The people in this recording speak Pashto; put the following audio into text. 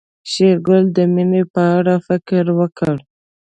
شېرګل د مينې په اړه فکر وکړ.